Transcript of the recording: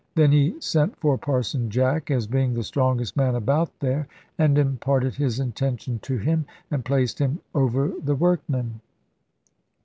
Then he sent for Parson Jack, as being the strongest man about there, and imparted his intention to him, and placed him over the workmen.